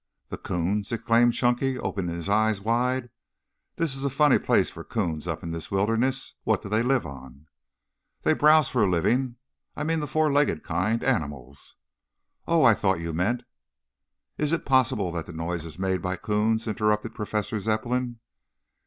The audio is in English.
"The 'coons?" exclaimed Chunky, opening his eyes wide. "This is a funny place for 'coons up in this wilderness. What do they live on?" "They browse for a living. I mean the four legged kind. Animals!" "Oh! I thought you meant " "Is it possible that that noise is made by 'coons?" interrupted Professor Zepplin.